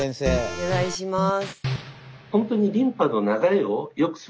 お願いします。